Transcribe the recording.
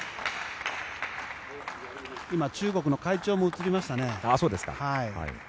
今、中国の会長も映りましたね。